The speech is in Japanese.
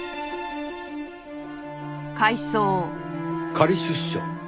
仮出所？